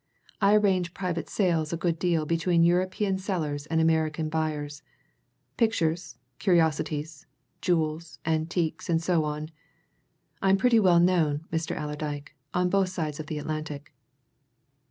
"I arrange private sales a good deal between European sellers and American buyers pictures, curiosities, jewels, antiques, and so on. I'm pretty well known, Mr. Allerdyke, on both sides the Atlantic."